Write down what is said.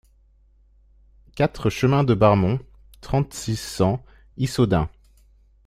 quatre chemin de Barmont, trente-six, cent, Issoudun